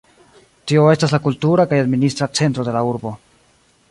Tio estas la kultura kaj administra centro de la urbo.